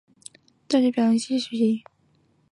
后来馨子进入同济大学表演系学习。